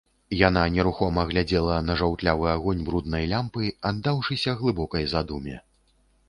Яна нерухома глядзела на жаўтлявы агонь бруднай лямпы, аддаўшыся глыбокай задуме.